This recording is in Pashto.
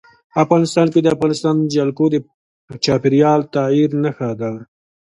افغانستان کې د افغانستان جلکو د چاپېریال د تغیر نښه ده.